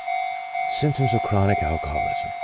SYMPTOMS OF CHRONIC ALCOHOLISM.